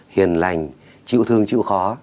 hiền lành chịu thương chịu khó